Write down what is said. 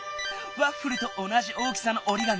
ワッフルとおなじ大きさのおりがみ。